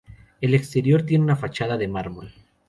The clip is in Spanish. El exterior tiene una fachada de mármol.